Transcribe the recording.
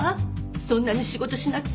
そんなに仕事しなくてもって